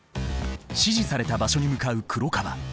指示された場所に向かう黒川。